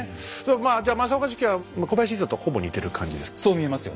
まあじゃあ正岡子規は小林一茶とほぼ似てる感じですかね。